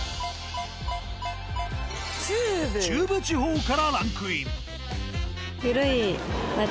中部地方からランクイン。